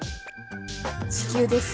地球です。